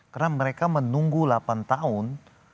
karena mereka menunggu delapan tahun